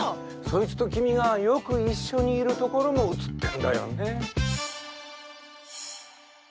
そいつと君がよく一緒にいる所も映ってるんだよね。